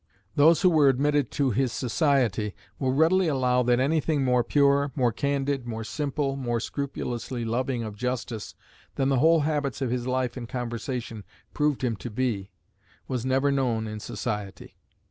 Those who were admitted to his society will readily allow that anything more pure, more candid, more simple, more scrupulously loving of justice, than the whole habits of his life and conversation proved him to be, was never known in society.